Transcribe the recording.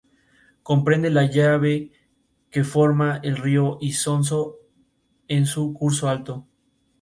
Comprende el valle que forma el río Isonzo en su curso alto.